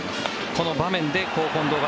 この場面で近藤が。